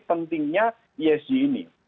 pentingnya esg ini